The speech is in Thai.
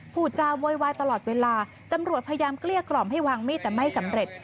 ผู้จาโวยวายตลอดเวลาตำรวจพยายามเกลี้ยกล่อมให้วางมีดแต่ไม่สำเร็จ